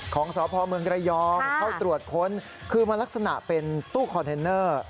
ของสพเมืองระยองเข้าตรวจค้นคือมันลักษณะเป็นตู้คอนเทนเนอร์